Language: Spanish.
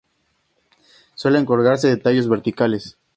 Suelen colgarse de tallos verticales.